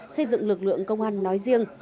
xây dựng lực lượng công an nói riêng